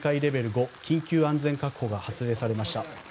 ５緊急安全確保が発令されました。